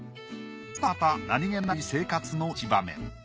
はたまた何気ない生活の一場面。